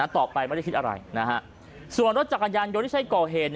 ต่อไปไม่ได้คิดอะไรส่วนรถจักรยานยนต์ที่ใช้ก่อเหตุ